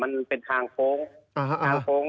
มันเป็นทางโฟ้ง